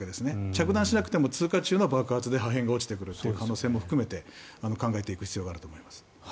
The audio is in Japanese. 着弾しなくても通過中の爆発で破片が落ちてくるという可能性も含めて考えていく必要があると思います。